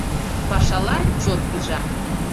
Пашалан чот пижам...